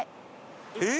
えっ？